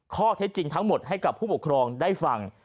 ข้อเท็จจริงทั้งหมดให้กับผู้ปกครองได้ฟัง